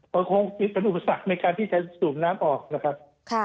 ก็คงคิดเป็นอุปสรรคในการที่จะสูบน้ำออกนะครับ